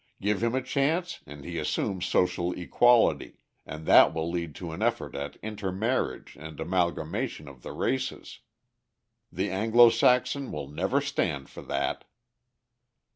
Give him a chance and he assumes social equality, and that will lead to an effort at intermarriage and amalgamation of the races. The Anglo Saxon will never stand for that."